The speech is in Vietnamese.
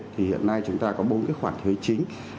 thì hiện nay chúng ta có bốn cái khoản thuế chính